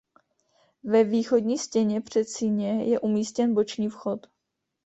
Ve východní stěně předsíně je umístěn boční vchod.